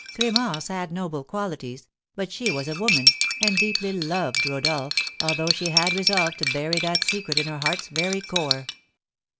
Clémence had noble qualities, but she was a woman, and deeply loved Rodolph, although she had resolved to bury that secret in her heart's very core.